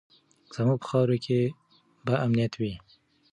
زموږ په خاوره کې به امنیت وي.